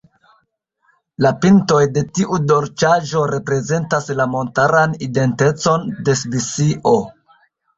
La "pintoj" de tiu dolĉaĵo reprezentas la montaran identecon de Svisio.